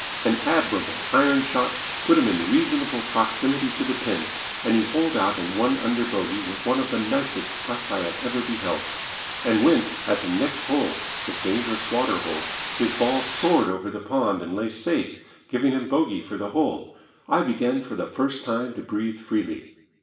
An admirable iron shot put him in reasonable proximity to the pin, and he holed out in one under bogey with one of the nicest putts I have ever beheld. And when at the next hole, the dangerous water hole, his ball soared over the pond and lay safe, giving him bogey for the hole, I began for the first time to breathe freely.